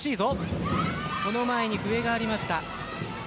その前に笛が鳴りました。